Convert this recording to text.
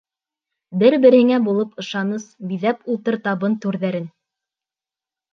Бер-береңә булып ышаныс, Биҙәп ултыр табын түрҙәрен!